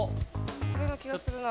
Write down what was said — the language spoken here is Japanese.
これな気がするな。